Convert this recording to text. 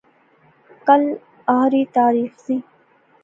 کل آھری تاریخ ذی